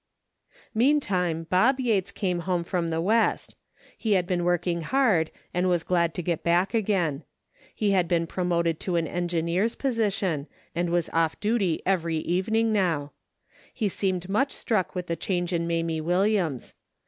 Meantime Bob Yates came home from the West. He had been working hard and was glad to get back again. He had been pro moted to an engineer's position, and was off duty every evening now. He seemed much struck with the change in Mamie Williams.